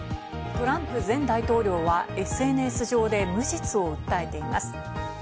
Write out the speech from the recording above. トランプ前大統領はＳＮＳ上で無実を訴えています。